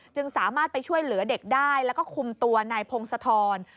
จึงสามารถไปช่วยเหลือเด็กได้แล้วก็คุมตัวนายพงศธร